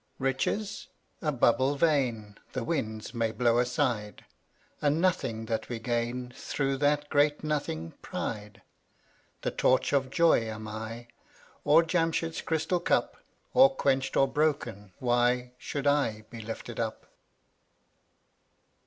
145 Ri^es? A bubble vain (f)tttA¥ The winds may blow aside, „ A nothing that we gain yK^' Through that great nothing, P ri de*KuYk{r The Torch of Joy am I, J Or Jamshid's crystal cup; Or quenched or broken, why Should I be lifted up?